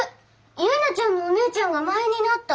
結菜ちゃんのお姉ちゃんが前になった。